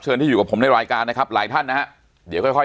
ที่อยู่กับผมในรายการนะครับหลายท่านนะฮะเดี๋ยวค่อยค่อย